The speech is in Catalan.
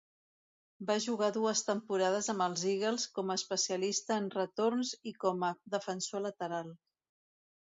Va jugar dues temporades amb el Eagles com a especialista en retorns i com a defensor lateral.